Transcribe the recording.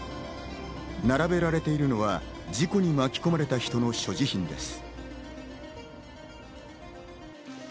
並べられているのは事故に巻き込まれた人の所持品です。